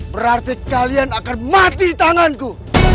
berarti kalian akan mati di tanganku